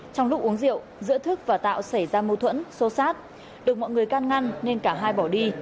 trong lúc uống rượu giữa thức và tạo xảy ra mâu thuẫn xô xát được mọi người can ngăn nên cả hai bỏ đi